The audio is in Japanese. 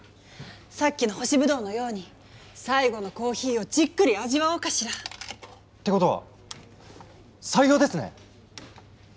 さっきの干しブドウのように最後のコーヒーをじっくり味わおうかしら。ってことは採用ですね？